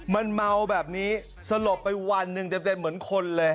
มันเมาแบบนี้สลบไปวันหนึ่งเต็มเหมือนคนเลย